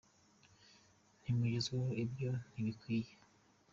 Ntimugahenzwe ibyo ntibikwiye